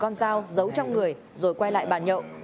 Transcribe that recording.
con dao giấu trong người rồi quay lại bàn nhậu